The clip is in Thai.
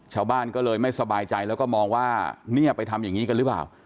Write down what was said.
ชาวบ้านก็เลยไม่สบายใจแล้วก็มองว่าเนี่ยไปทำอย่างนี้กันหรือเปล่า